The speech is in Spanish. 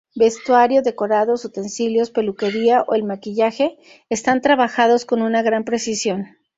Vestuario, decorados, utensilios, peluquería o el maquillaje están trabajados con una gran precisión.